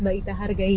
mbak itta hargai